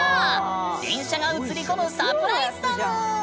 電車が映り込むサプライズだぬん！